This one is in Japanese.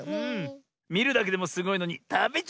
みるだけでもすごいのにたべちゃうなんてね！